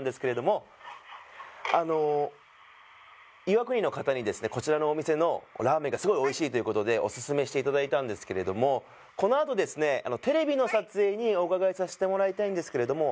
あの岩国の方にですねこちらのお店のラーメンがすごいおいしいということでオススメしていただいたんですけれどもこのあとですねテレビの撮影におうかがいさせてもらいたいんですけれども